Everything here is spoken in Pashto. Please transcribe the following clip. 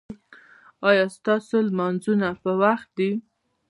ایا ستاسو لمونځونه په وخت دي؟